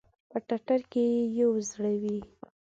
په ټټر کې ئې یو زړه وی